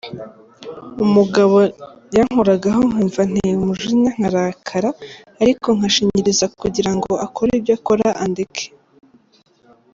Umugabo yankoragaho nkumva anteye umujinya nkarakara ariko nkashinyiriza kugira ngo akore ibyo akora andeke.